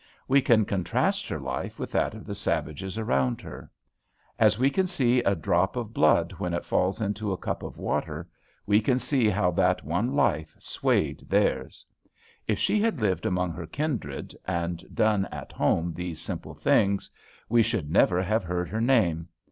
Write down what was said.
We can contrast her life with that of the savages around her. As we can see a drop of blood when it falls into a cup of water, we can see how that one life swayed theirs. If she had lived among her kindred, and done at home these simple things, we should never have heard her name.